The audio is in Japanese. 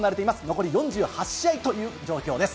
残り４８試合という状況です。